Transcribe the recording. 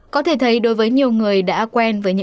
số bệnh nhân khỏi bệnh